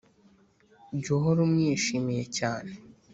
jya uhora umwishimiye cyane